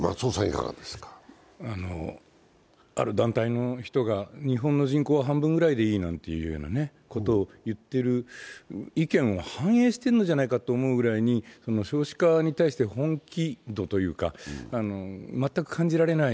ある団体の人が日本の人口は半分ぐらいでいいなんていうことを言っている意見を反映してるんじゃないかというぐらい少子化に対して本気度というか、全く感じられない。